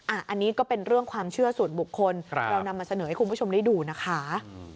อันนี้ก็เป็นเรื่องความเชื่อส่วนบุคคลเรานำมาเสนอให้คุณผู้ชมได้ดูนะคะ